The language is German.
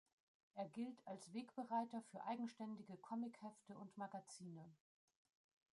Es gilt als Wegbereiter für eigenständige Comichefte und -magazine.